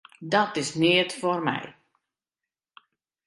Dat is neat foar my.